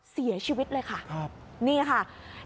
เสียชีวิตเลยค่ะนี่ค่ะนี่ค่ะครับ